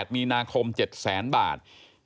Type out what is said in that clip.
๘มีนาคม๗๐๐บาท